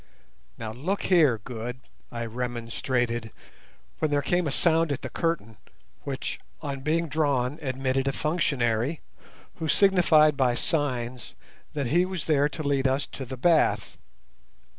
"Now look here, Good," I remonstrated, when there came a sound at the curtain, which, on being drawn, admitted a functionary, who signified by signs that he was there to lead us to the bath.